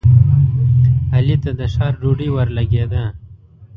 علي ته د ښار ډوډۍ ورلګېده.